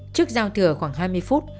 trước giao thừa khoảng hai mươi phút